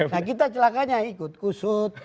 nah kita celakanya ikut kusut